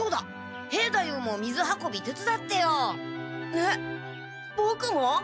えっボクも？